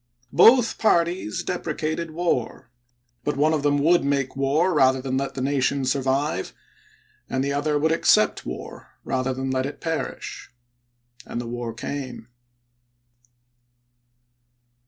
Both parties deprecated war; but one of them would make war rather than let the nation survive ; and the other would accept war rather than let it perish. And the war came.